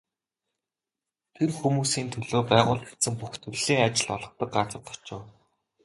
Тэр хүмүүсийн төлөө байгуулагдсан бүх төрлийн ажил олгодог газарт очив.